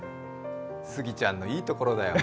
杉ちゃんのいいところだよ。